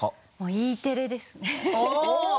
Ｅテレですね。